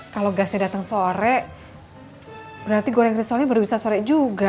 kalau gasnya datang sore berarti goreng risolnya baru bisa sore juga